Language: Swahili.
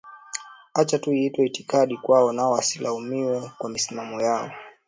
Acha tu iitwe itikadi kwao na wasilaumiwe kwa misimamo yao